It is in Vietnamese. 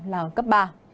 là cấp ba